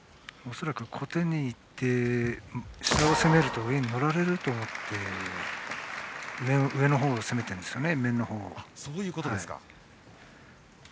恐らく小手にいって下を攻めると上に乗られると思って上の面の方を攻めているんですね。